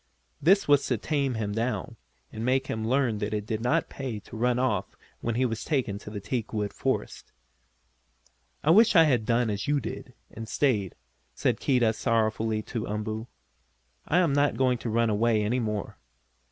This was to tame him down, and make him learn that it did not pay to run off when he was taken to the teakwood forest. "I wish I had done as you did, and stayed," said Keedah sorrowfully to Umboo. "I am not going to run away any more."